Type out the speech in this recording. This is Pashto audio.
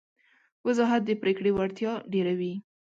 وضاحت د پرېکړې وړتیا ډېروي.